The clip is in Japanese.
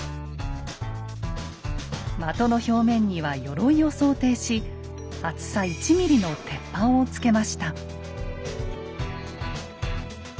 的の表面には鎧を想定し厚さ１ｍｍの鉄板をつけました。